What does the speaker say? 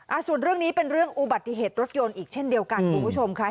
ส่วนเรื่องนี้เป็นเรื่องอุบัติเหตุรถยนต์อีกเช่นเดียวกันคุณผู้ชมค่ะ